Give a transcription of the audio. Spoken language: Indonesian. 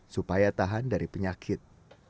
supaya tahan dari penyakit